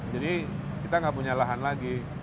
jadi kita tidak punya lahan lagi